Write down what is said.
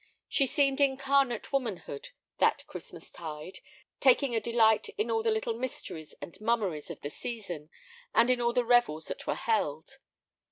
She seemed incarnate womanhood that Christmas tide, taking a delight in all the little mysteries and mummeries of the season and in the revels that were held.